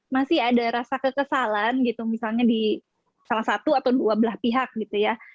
masih ada rasa kekesalan gitu misalnya di salah satu atau dua belah pihak gitu ya